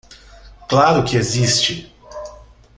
Claro que existe!